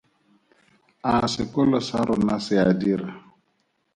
A sekolo sa rona se a dira?